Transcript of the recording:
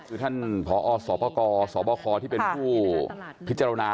คือท่านผอสปกสบคที่เป็นผู้พิจารณา